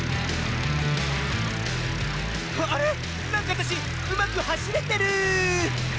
あれ⁉なんかわたしうまくはしれてる！